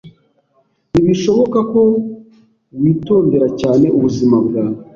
Ntibishoboka ko witondera cyane ubuzima bwawe.